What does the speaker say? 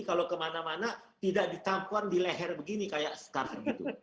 kalau kemana mana tidak ditampung di leher begini kayak sekarang gitu